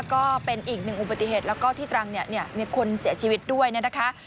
ก็เป็นอีกหนึ่งอุบัติเหตุแล้วก็ที่ตรังเนี่ยมีคนเสียชีวิตด้วยนะคะ